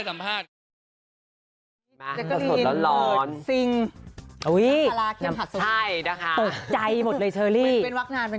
ทำไมคนเก๋อยังงี้